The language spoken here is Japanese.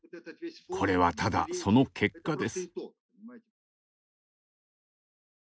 これはただその結果です。